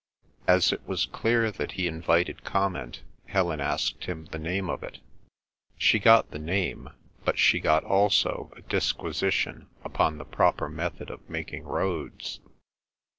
As it was clear that he invited comment, Helen asked him the name of it. She got the name; but she got also a disquisition upon the proper method of making roads.